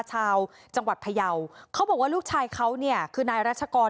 ชาวจังหวัดพยาวเขาบอกว่าลูกชายเขาเนี่ยคือนายรัชกร